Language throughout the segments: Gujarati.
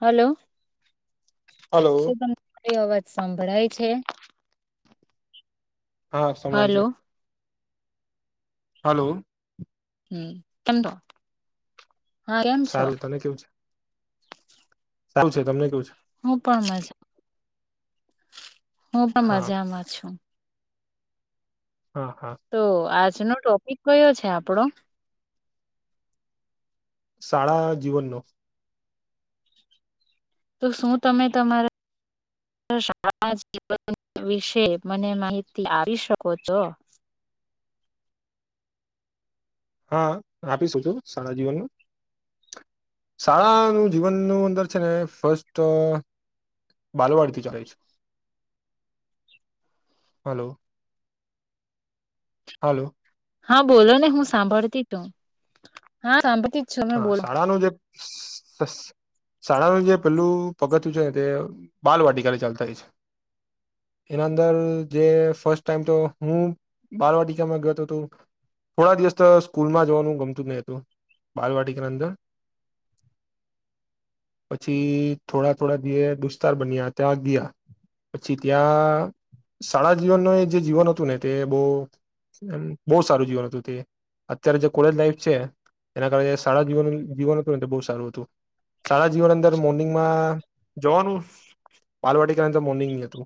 હલો હલો કંઈ અવાજ સાંભળાય છે. હા સંભળાય છે. હલો હલો હમ તમ તો સારું તને કેવું છે. સું છે તમને કેવું છે. હું પણ મજા હું પણ હા મજામાં છું. હા હા તો આજ આજનો ટોપિક કયો છે આપડો શાળા જીવનનો તો શું તમે તમારા શાળાના જીવન વિશે મને માહિતી આપી શકો છો. હા આપી શકુ શાળા જીવનનું શાળાનું જીવનનું અંદર છે ને ફસ્ટ બાલવાડીથી ચાલે છે હલો હાલો હા બોલો ને હું સાંભળતી તું હા સાંભ હા શાળાનું જે શાળાનું જે પેલું પગથયું છે ને તે બાલવાટિકાને ચાલતા હોય છે એના અંદર જે ફર્સ્ટ ટાઈમ તો હું બાલવાટિકામાં ગયો હતો હતો થોડા દિવસ તો સ્કૂલમાં જવાનું ગમતું જ નય હતું. બાલવાટીકાની અંદર પછી થોડા થોડા ધીરે દુસ્તાર બન્યા ત્યાં ગયા પછી ત્યાં શાળા જીવનનું જે જીવન હતું ને તે બો બોવ સારું જીવન હતું તે અત્યારે જે કોલેજ લાઈફ છે. એના કારણે શળા જીવન જીવન હતું ને તો બોવ સારું હતું શાળા જીવન અંદર મોર્નિંગમાં જવાનું બાલવાટીકાની તો મોર્નિંગની હતું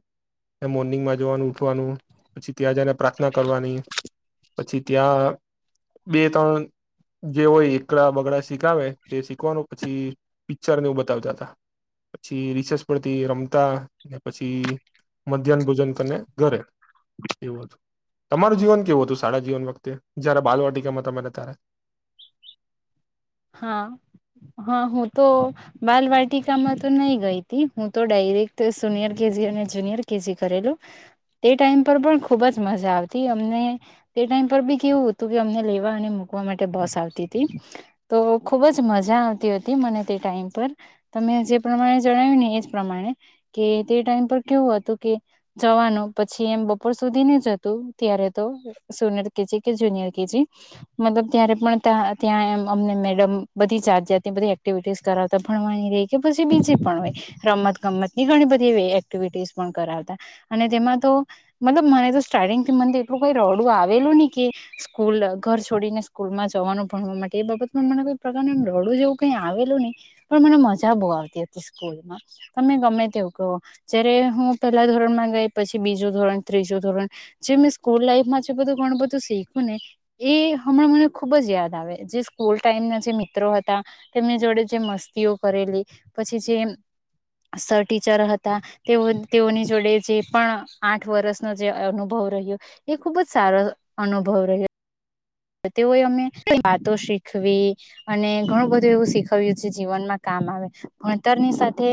મોર્નિંગમાં જવાનું ઉઠવાનું પછી ત્યાં જઈને પ્રાર્થના કરવાની પછી ત્યાં બે ત્રણ જે હોય એકળા બગડા શીખાવે તે શીખવાનું પછી પિક્ચરને એવું બતાવતા હતા પછી રીસેસ પરથી રમતા ને પછી મધ્યાહન ભોજન કરીને ઘરે એવું હતું તમારું જીવન કેવું હતું સારા જીવન વખતે જયારે બાલવાટિકામાં તમારે તારે હા હા હું તો બાલવાટિકામાં તો નહી ગઈ હતી હું તો ડાયરેક્ટ સનિયર કેજી અને જુનિયર કેજી કરેલું તે ટાઈમ પર પણ ખુબ જ મજા આવતી અમને તે ટાઈમ પર બી કેવું હતું કે અમને લેવા અને મૂકવા માટે બસ આવતી હતી. તો ખુબ જ મજા આવતી હતી મને તે ટાઈમ પર તમે જે પ્રમાણે જણાવ્યું ને એજ પ્રમાણે કે તે ટાઈમ પર કેવું હતું કે જવાનું પછી એમ બપોર સુધી ન જ હતું ત્યારે તો સોનિયર કેજી કે જુનિયર કેજી મતલબ ત્યારે પણ ત્યાં એમ અમને મેડમ બધી જાત જાતની બધી એક્ટિવિટીસ કરાવતા ભણવાની રહી કે પછી બીજી પણ હોય રમતગમતની ઘણી બધી એક્ટિવિટીસ પણ કરાવતા અને તેમાં તો મતલબ મને તો સ્ટાર્ટિંગ થી મને એટલું કોઈ રડું આવેલું નહીં કે સ્કૂલ ઘર છોડીને સ્કૂલમાં જવાનું ભણવા માટે એ બાબત મને કોઈ પ્રકારનું રડું જેવું કઈ આવેલું નહીં પણ મને મજા બહુ આવતી હતી સ્કૂલમાં તમે ગમે તેવું કહો જયારે હું પહેલા ધોરણમાં ગઈ પછી બીજું ધોરણ, ત્રીજું ધોરણ જે મેં સ્કૂલ લાઈફમાં છે બધું ઘણું બધું શીખું ને એ હમણાં મને ખુબ જ યાદ આવે. જે સ્કૂલ ટાઈમના જે મિત્રો હતા તેમની જોડે જે મસ્તીઓ કરેલી પછી જે સર ટીચર હતા તેઓ તેઓની જોડે જે પણ આઠ વર્ષનો જે અનુભવ રહ્યો એ ખુબ જ સારો અનુભવ રહ્યો. તેઓએ અમે વાતો શીખવી અને ઘણું બધું એવું શીખવ્યું છે જીવનમાં કામ આવે ભણતરની સાથે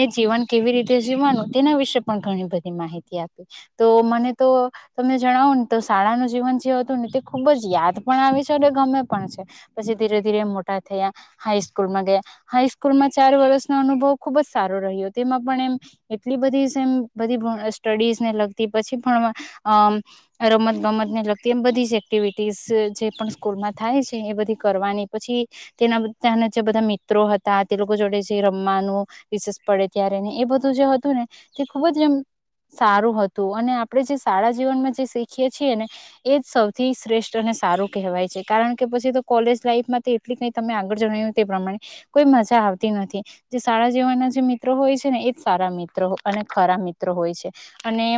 એ જીવન કેવી રીતે જીવવાનું તેના વિશે પણ ઘણી બધી માહિતી આપી તો મને તો તમે જણાવુ ને તો શાળાનું જીવન જે હતું ને તે ખુબ જ યાદ પણ આવે છે અને ગમે પણ છે પછી ધીરે-ધીરે મોટા થયા હાઈસ્કૂલમાં ગયા હાઈસ્કૂલ માં ચાર વર્ષનો અનુભવ ખુબ જ સારો રહ્યો તેમાં પણ એમ એટલી બધી એમ બધી સ્ટડીઝને લગતી પછી પણ રમતગમત ને લગતી એમ બધી જ એક્ટિવિટી સ જે પણ સ્કૂલમાં થાય છે એ બધી કરવાની પછી તેના ત્યાના જે બધા મિત્રો હતા તે લોકો જોડે જે રમવાનું વિશેષ પડે ત્યારેને એ બધું જે હતું ને તે ખુબ જ એમ સારું હતું અને આપણે જે શાળા જીવનમાં જે શીખીએ છીએ ને એ જ સૌથી શ્રેષ્ઠ સારું કહેવાય છે કારણ કે પછી તો કોલેજ લાઈફમાં એટલી કઈ તમે આગળ જણાવ્યું તે પ્રમાણે કોઈ મજા આવતી નથી જે શાળા જીવનના જે મિત્રો હોય છે ને એજ સારા મિત્રો અને ખરા મિત્ર હોય છે અને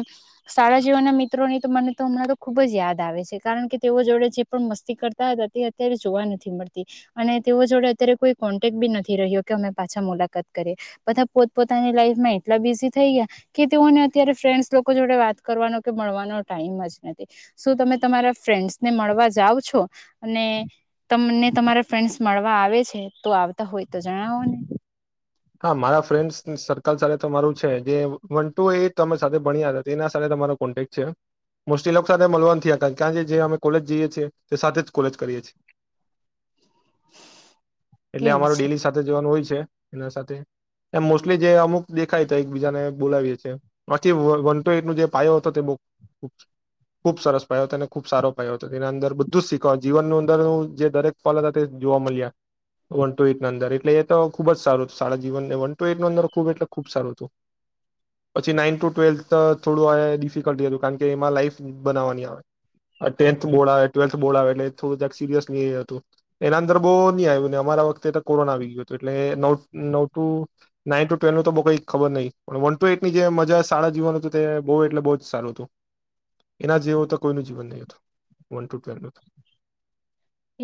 શાળા જીવનના મિત્રોની તો મને તો હમણાં તો ખુબ જ યાદ આવે છે કારણ કે તેઓ જોડે જે પણ મસ્તી કરતા હતા તે અત્યારે જોવા નથી મળતી અને તેઓ જોડે અત્યારે કોઈ કોન્ટેક બી નથી રહ્યો કે અમે પાછા મુલાકાત કરીએ બધા પોતપોતાની લાઈફમાં એટલા બિઝી થઈ ગયા કે તેઓને અત્યારે ફ્રેન્ડસ લોકો જોડે વાત કરવાનો કે મળવાનો ટાઈમ જ નથી શું તમે તમારા ફ્રેન્ડસ ને મળવા જાવ છો અને તમને તમારા ફ્રેન્ડસ મળવા આવે છે? તો આવતા હોય તો જણાવોને. હા મારા ફ્રેન્ડ્સ સર્કલ સાથે તમારું છે જે વન ટુ એ અમે સાથે ભણ્યા હતા તેના સાથે તમારો કોન્ટેક્ટ છે મુસ્ટિલોક સાથે મલવાન થયા હતા કારણ કે જે અમે કોલેજ જઈએ છીએ તે સાથે જ કોલેજ કરીએ છીએ. એટલે એવું અમારું છે ડેલી સાથે જવાનું હોય છે. છે. એના સાથે એમ મોસ્ટલી જે અમુક દેખાય તો એકબીજાને બોલાવીએ છીએ આથી વન ટુ એઈટનો જે પાયો હતો તે બહુ ખબ ખૂબ સરસ પાયો હતો અને ખૂબ સારો પાયો હતો તેના અંદર બધું જ શીખવા જીવનનું અંદરનું જે દરેક ફલ હતા તે જોવા મલયા વન ટુ એઈટના અંદર એટલે એ તો ખૂબ જ સારું સારા જીવનને વન ટુ એઈટના અંદર ખૂબ એટલે ખૂબ સારું હતું પછી નાઇન્થ ટુ ટ્વેલ્થ થોડું આ ડિફિકલ્ટી હતું કારણ કે એમાં લાઈફ બનાવવાની આવે ટેન્થ બોર્ડ આવે, ટ્વેલ્થ બોર્ડ આવે એટલે થોડું જ્યાંક સિરિયસલી હતું એના અંદર બહુ નહીં આવ્યુંને અમારા વખતે તો કોરોના આવી ગયો હતો એટલે એ નવ નવ ટુ નાઈન ટુ ટ્વેલ નું તો બહુ કઈ ખબર નહીં પણ વન ટુ એટની જે મજા શાળા જીવન હતું તે બહુ એટલે બહુ જ સારું હતું એના જેવું તો કોઈનું જીવન નહીં હતું વન ટુ ટ્વેલનુ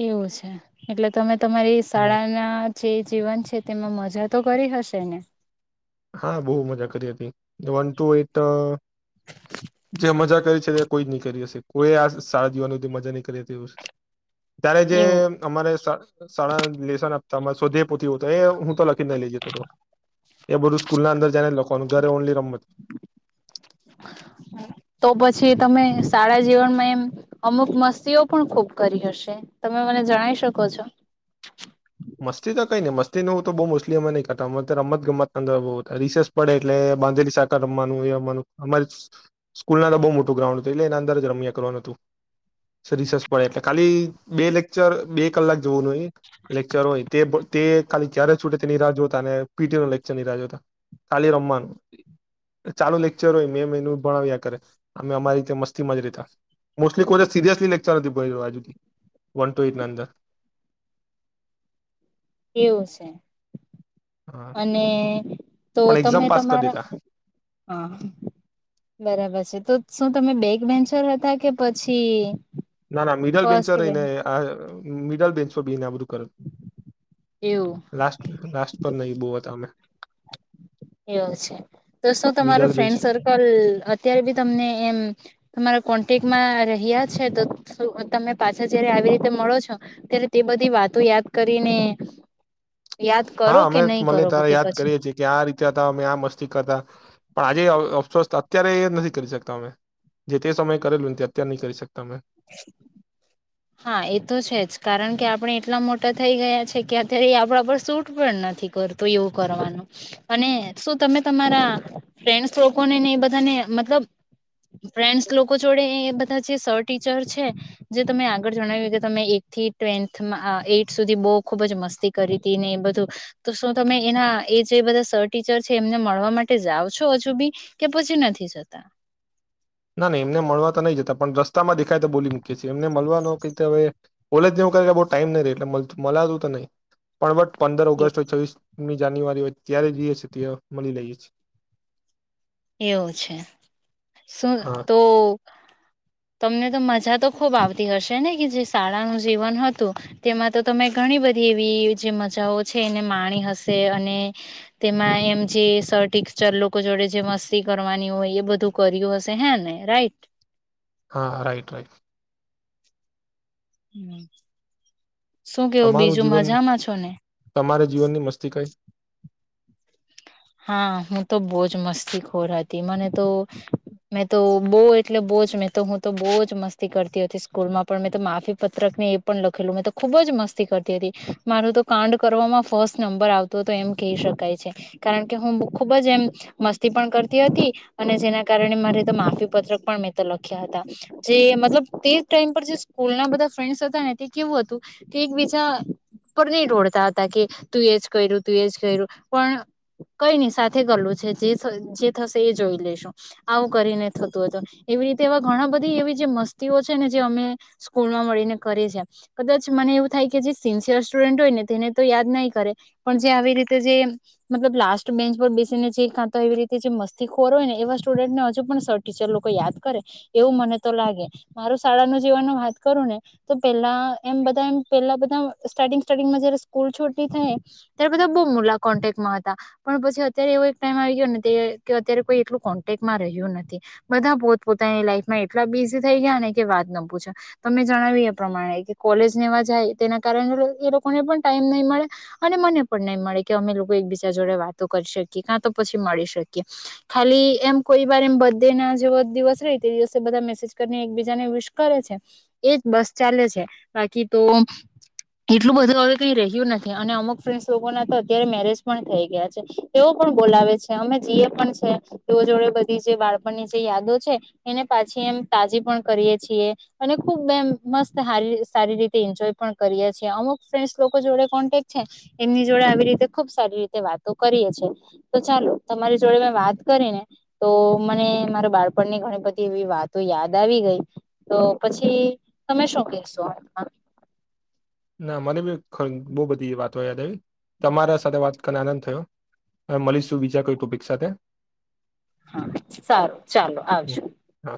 એવું છે એટલે તમે તમારી હમ શાળાના જે જીવન છે તેમાં મ જા તો કરી હશે ને? હા બહુ મજા કરી હતી વન ટુ એટ જે મજા કરી છે તે કોઈ જ નહીં કરી હશે કોઈએ આ શાળા જીવનની મજા નહીં કરી હતી. ત્યારે જે એવું અમારે શાળામાં જે લેેશન આપતા અમારે સ્વધયાયપોથી હોતા હૈ એ હું તો લખી જ નઈ લઈ જતો હતો. બધું સ્કૂલના અંદર જાઈને જ લોકો ઘરે ઓનલી રમ તો પછી તમે શાળા જીવનમાં એમ અમુક મસ્તીઓ પણ ખૂબ કરી હશે તમે મને જણાઈ શકો છો? મસ્તી તો કઈ નહીં મસ્તી નું તો બહુ મોસ્ટલી અમે નહીં કરતા અમે રમતગમત અંદર બહુ રીસેસ પડે એટલે બાંધેલી શાખા રમવાનું એ રમવાનું અમારી સ્કૂલના અંદર બહુ મોટું ગ્રાઉન્ડ હતું એટલે એના અંદર જ રમ્યા કરવાનું હતું. રિસેસ પડે એટલે ખાલી બે લેક્ચર બે કલાક જોવાનું એ લેક્ચર હોય તે તે ખાલી ક્યારે છૂટે તે રાહ જોતા અને પીટીનો લેક્ચરની રાહ જોતા ખાલી રમવાનું, ચાલુ લેક્ચર હોય મેમ એમનું ભણાવ્યા કરે અમે અમારી મસ્તીમાં જ રેહતા મોસ્ટલી કોઈને સિરિયસલી લેક્ચર નથી ભર્યો આજુ હુધી વન ટુ એટના અંદર. એવું છે. હા અને તો પણ એક્ઝામ તમે પાસ કરી તમારા દેતા હા બરાબર છે તો શું તમે બેગ બેન્ચર હતા કે પછી ના ના મિડલ ફર્સ્ટ બેન્ચર રહીને બેન્ચ આ મિડલ બેન્ચો બીને આ બધું કર એવું લાસ્ટ લાસ્ટ નહીં બો હતા અમે એવ છે તો શું તમારો મિડલ બેન્ચ ફ્રેન્ડ સર્કલ અત્યારે બી તમને એમ તમારો કોન્ટેક મા રહ્યા છે તો તમે પાછા જયારે આવી રીતે મળો છો ત્યારે તે બધી વાતો યાદ કરીને યાદ હા કરો કે અમે નહી મલિયે કરો તારે કે યાદ પછી કરીએ છીએ કે આ રીતે હતા અમે આ મસ્તી કરતા પણ આજે અફસોસ અત્યારે એ નથી કરી શકતા અમે જે તે સમય કરેલું નથી અત્યારે નહી કરી શકતા અમે [inaudible] હા એ તો છે જ કારણ કે આપણે એટલા મોટા થઈ ગયા છે કે અત્યારે એ આપણા પર શૂટ પણ નથી કરતુ એવું કરવાનું અને શું તમે તમારા ફ્રેન્ડસ લોકોને ને એ બધાને મતલબ ફ્રેન્ડસ લોકો જોડે એ બધા જે સર ટીચર છે જે તમે આગ જણાવ્યું કે તમે એ થી ટવેન્થમાં એથ સુધી બહુ ખુબ જ મસ્તી કરી હતી ને એ બધું તો શું તમે એના એ જે બધા સર ટીચર છે એમને મળવા માટે જાઓ છો હજુ બી કે પછી નથી જતા ના ના એમને મળવા તો નહી જતા પણ રસ્તામાં દેખાય તો બોલી મૂકીએ છીએ એમને મળવાનો ક હવે બોલે જ નવું કરે કે બહુ ટાઈમ નહીં ર એટલે મળતું તો નહીં પણ બટ પંદર ઓગસ્ટ હોય છવીસ ની જાન્યુઆરી હોય ત્યારે જઈ શકીયે ત્યારે મળી લઈએ છે એવું છે શું હા તો તમને તો મજા તો ખુબ આવતી હશે ને કે જે શાળાનું જીવન હતું તેમાં તો તમે ઘણી બધી એવી જે મજાઓ છે એને માણી હશે અને તેમાં એમ જે સર ટીચર લોકો જોડે જે મસ્તી કરવાની હોય એ બધું કર્યું હશે હે ને રાઈટ હા રાઈટ રાઈટ હમ્મ શું કેવું તમારું બીજું જીવન મજામાં છો ને તમારા જીવનની મસ્તી કઈ હા હું તો બહુ જ મસ્તીખોર હતી મને તો મેં તો બહુ એટલે બહુ જ મેં તો હું તો બહુજ મસ્તી કરતી હતી સ્કૂલમાં પણ મેં માફી પત્રક ને એ પણ લખેલું મેં તો ખુબ જ મસ્તી કરતી હતી મારું તો કાંડ કરવામાં ફર્સ્ટ નંબર આવતો હતો એમ કહી શકાય છે કારણ કે હું ખુબ જ એમ મસ્તી પણ કરતી હતી અને જેના કારણે મારે તો માફી પત્રક પણ મેં તો લખ્યા હતા જે મતલબ તે ટાઇમ પર જે સ્કૂલ ના બધા ફેન્ડ હતા ને તે કેવું હતું તે એક બીજા પર નહી ડોડતા હતા કે તું એજ કર્યું તું એજ કર્યું પણ કઈ નહી સાથે કરલું છે જે જે થશે એ જોઈ લેશું આવું કરીને થતું હતું એવી રીતે એવા ઘણા બધી એવી જે મસ્તીઓ છે ને જે અમે સ્કૂલમાં મળીને કરી છે કદાચ મને એવું થાય કે જે સિન્સિયર સ્ટુડન્ટ હોય ને તેને તો યાદ નહી કરે પણ જે આવી રીતે જે મતલબ લાસ્ટ બેન્ચ પર બેસીને જે કાં તો એવી રીતે જે મસ્તી ખોર હોય ને એવા સ્ટુડન્ટને હજુ પણ સર ટીચર લોકો યાદ કરે એવું મને તો લાગે મારૂ શાળાનુ જીવાનું વાત કરું ને તો પેલા એમ બધા એમ પેલા બધા સ્ટાર્ટિંગ સ્ટાર્ટિંગમાં જયારે સ્કૂલ છોટી થાય ત્યારે બધા બહુ મુલા કોન્ટેકમાં પણ પછી અત્યારે એવો એક ટાઈમ આવી ગયોને અત્યારે કોઈ એટલું કોટેગમાં રહ્યું નથી બધા પોત પોતાની લાઈફમાં એટલા બિઝી થઈ ગયા ને કે વાત ન પૂછ્યા તમે જણાવ્યું એ પ્રમાણે કે કોલેજ નેવા જાય તેના કારણે એ લોકોને પણ ટાઈમ નહી મળે અને મને પણ નહી મળે કે અમે લોકો બીજા જોડે વાતો કરી શકીએ કા તો પછી મળી શકીએ ખાલી એમ કોઈ વાર એમ બડેના જેવો દિવસ ર તે દિવસે બધા મેસેજ કરીને એકબીજાને વિશ કરે છે એજ બસ ચાલે છે બાકી તો એટલું બધું હવે કઈ રહ્યું નથી અને અમુક ફ્રેન્ડ લોકો ના તો અત્યારે મેરેજ પણ થય ગિયા છે તે ઓ પણ બોલાવે છે અમે જીએ પણ છે તેઓ જોડે બધી જે બાળપણની જે યાદો છે એને પાછી એમ તાજી પણ કરીએ છીએ અને ખુબ એમ મસ્ત હારી સારી રીતે એન્જોય પણ કરીએ છીએ અમુક ફેન્ડસ લોકો જોડે કોન્ટેક્ટ છે એમની જોડે આવી રીતે ખુબ સારી રીતે વાતો કરીએ છે તો ચાલો તમારી જોડે મેં વાત કરી ને તો મને માર બાળપણની ઘણી બધી એવી વાતો યાદ આવી ગઈ તો પછી તમે શું કશો ના મને બી બહુ બધી વાતો યાદ આવી તમારા સાથે વાત કરીને આનંદ થયો મળીશું બીજા કોઈ ટોપિક સાથે હા સારું ચાલો હમ. આવજો હા